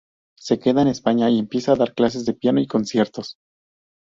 Se queda en España y empieza a dar clases de piano y conciertos.